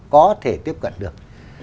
có thể tiếp cận được